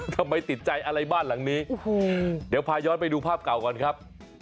ทำไมติดใจอะไรบ้านหลังนี้โอ้โหเดี๋ยวพาย้อนไปดูภาพเก่าก่อนครับ